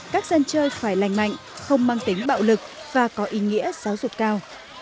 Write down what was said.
các dân chơi phải lành mạnh không mang tính bạo lực và có ý nghĩa giáo dục cao